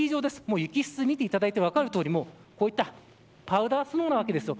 雪質を見ていただいても分かるとおりこういったパウダースノーなわけです。